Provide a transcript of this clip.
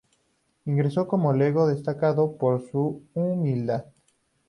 Ingresó como lego, destacando por su humildad.